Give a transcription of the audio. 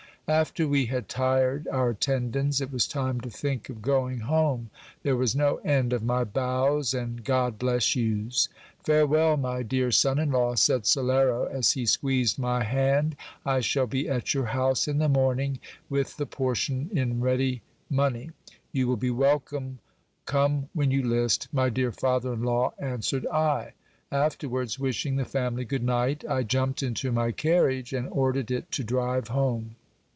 After we had tired our tendons, it was time to think of going home. There was no end of my bows and God bless you's. Farewell, my dear son in law, said Salero as he squeezed my hand, I shall be at your house in the morning with the portion in ready money. You will be welcome, come \hen you list, my dear father in law, answered I. Afterwards, wishing the faftily good night, I jumped into my carriage, and ordered it to drive home.